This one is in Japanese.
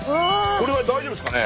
これで大丈夫ですかね？